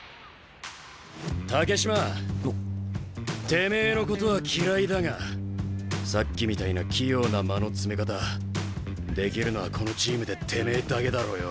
てめえのことは嫌いだがさっきみたいな器用な間の詰め方できるのはこのチームでてめえだけだろうよ。